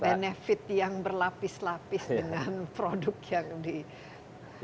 benefit yang berlapis lapis dengan produk yang diperlukan